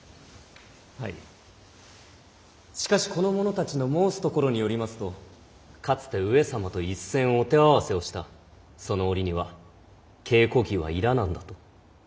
はいしかしこの者たちの申すところによりますとかつて上様と一戦をお手合わせをしたその折には稽古着はいらなんだと。